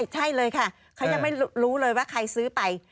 ใช่เลยค่ะเขายังไม่รู้เลยว่าใครซื้อไป